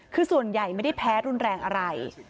คือส่วนใหญ่ไม่ได้แพ้รุนแรงอะไร